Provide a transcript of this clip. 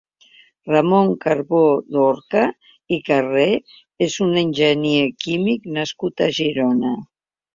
Ramon Carbó-Dorca i Carré és un enginyer químic nascut a Girona.